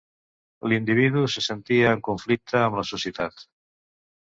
L'individu se sentia en conflicte amb la societat.